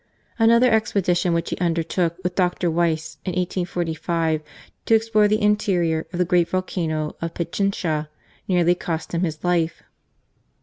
Another expedition which he undertook with Dr. Wyse in 1845, to explore the interior of the great Volcano of Pichincha, nearly cost him his life.